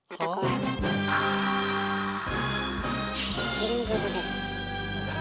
ジングルです。